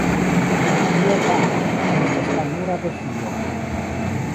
Tio tamen ne estas la nura defio.